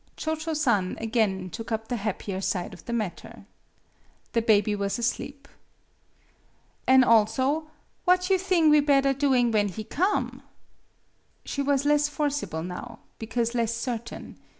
Cho Cho San again took up the happier side of the matter. The baby was asleep. "An' also, what you thing we bedder doing when he come ?" She was less forcible now, because less certain.